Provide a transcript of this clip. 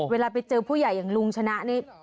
เวลาไปเจอผู้ใหญ่อย่างลุงชนะนี่